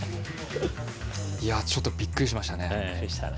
ちょっとびっくりしましたね。